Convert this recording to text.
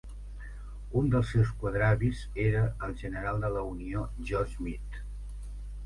Un dels seus quadravis era el general de la Unió George Meade.